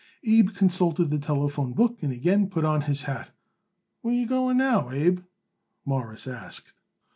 Abe consulted the telephone book and again put on his hat. "Where are you going now, Abe?" Morris asked.